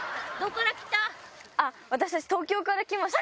私たち、東京から来ました。